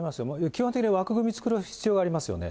基本的に枠組み作る必要がありますよね。